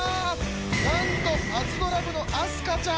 なんとパズドラ部の明日香ちゃん。